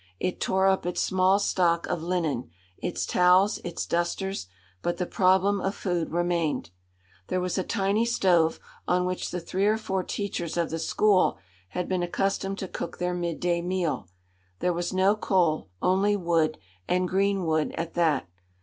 It tore up its small stock of linen, its towels, its dusters; but the problem of food remained. There was a tiny stove, on which the three or four teachers of the school had been accustomed to cook their midday meal. There was no coal, only wood, and green wood at that.